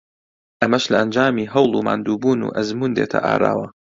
ئەمەش لە ئەنجامی هەوڵ و ماندووبوون و ئەزموون دێتە ئاراوە